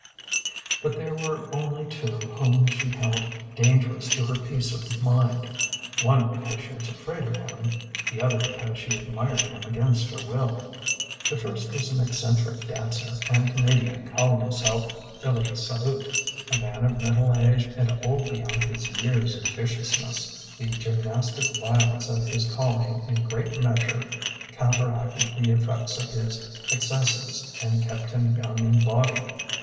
But there were only two whom she held dangerous to her peace of mind, one because she was afraid of him, the other because she admired him against her will. The first was an eccentric dancer and comedian calling himself Billy Salute. A man of middle age and old beyond his years in viciousness, the gymnastic violence of his calling in great measure counteracted the effects of his excesses and kept him young in body.